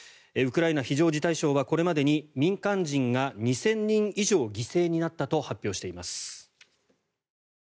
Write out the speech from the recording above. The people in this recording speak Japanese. ウクライナ非常事態省はこれまでに民間人が２０００人以上犠牲になったと発表しています。